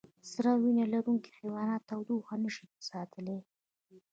سړه وینه لرونکي حیوانات تودوخه نشي ساتلی